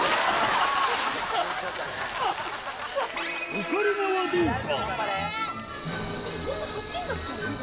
オカリナはどうか？